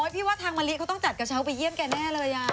พี่ว่าทางมะลิเขาต้องจัดกระเช้าไปเยี่ยมแกแน่เลย